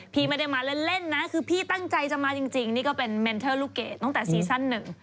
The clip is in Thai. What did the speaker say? พี่ไม่ได้มาเล่นนะคือพี่ตั้งใจจะมาจริงนี่ก็เป็นเมนเทอร์ลูกเกดตั้งแต่ซีซั่นหนึ่ง